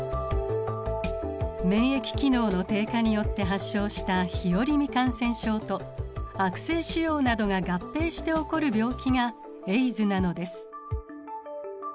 免疫機能の低下によって発症した日和見感染症と悪性腫瘍などが合併して起こる病気がＡＩＤＳなのです。